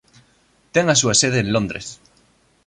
Ten a súa sede en Londres.